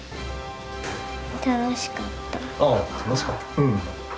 ああ楽しかった。